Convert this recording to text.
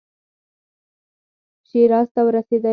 شیراز ته ورسېدی.